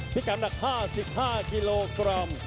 พี่กำหนัก๕๕กิโลกรัม